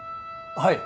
はい。